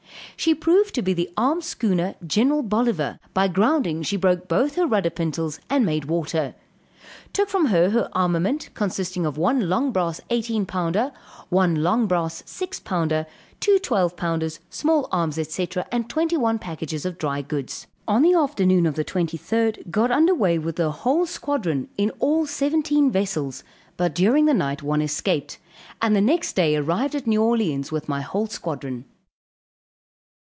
She proved to be the armed schooner Gen. Boliver; by grounding she broke both her rudder pintles and made water; took from her her armament, consisting of one long brass eighteen pounder, one long brass six pounder, two twelve pounders, small arms, &c., and twenty one packages of dry goods. On the afternoon of the 23d, got underway with the whole squadron, in all seventeen vessels, but during the night one escaped, and the next day arrived at New Orleans with my whole squadron.